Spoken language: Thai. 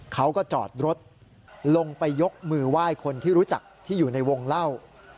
เขาก็จอดรถลงไปยกมือไหว้คนที่รู้จักที่อยู่ในวงเล่า